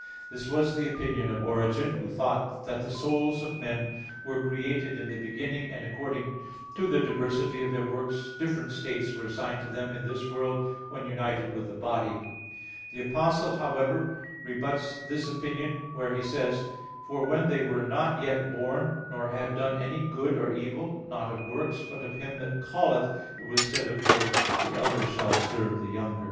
This was the opinion of Origen, who thought that the souls of men were created in the beginning, and according to the diversity of their works different states were assigned to them in this world when united with the body. The Apostle, however, rebuts this opinion where he says (Rom. 9:11,12): "For when they were not yet born, nor had done any good or evil ... not of works, but of Him that calleth, it was said of her: The elder shall serve the younger."